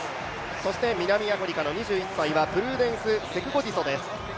そして南アフリカの２１歳は南アフリカはプルーデンス・セクゴディソです。